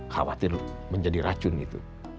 khawatir menjadi racun itu